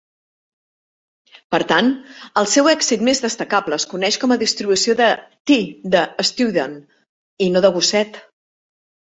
Per tant, el seu èxit més destacable es coneix com a distribució de t de Student, i no de Gosset.